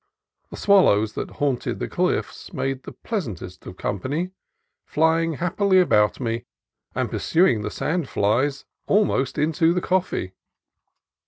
The swallows that haunted the cliffs made the pleas antest of company, flying happily about me, and pursuing the sand flies almost into the coffee.